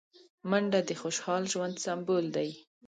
منډه د خوشحال ژوند سمبول دی